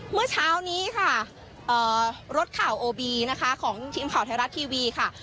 เมื่อเช้านี้ค่ะรถข่าวโอบีนะคะของทีมข่าวไทยรัฐทีวีค่ะ